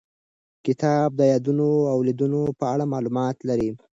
کتاب د یادونو او لیدنو په اړه معلومات لري.